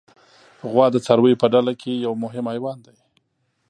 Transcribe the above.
غوا د څارویو له ډله کې یو مهم حیوان دی.